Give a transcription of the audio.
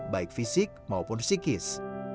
baik fisik maupun psikis